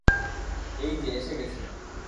এইযে, এসে গেছে।